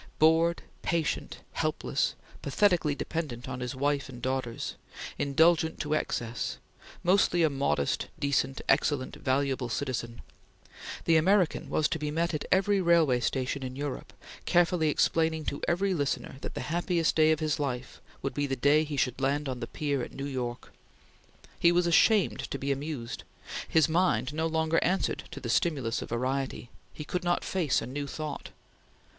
Bored, patient, helpless; pathetically dependent on his wife and daughters; indulgent to excess; mostly a modest, decent, excellent, valuable citizen; the American was to be met at every railway station in Europe, carefully explaining to every listener that the happiest day of his life would be the day he should land on the pier at New York. He was ashamed to be amused; his mind no longer answered to the stimulus of variety; he could not face a new thought.